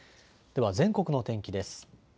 では全国の天気です。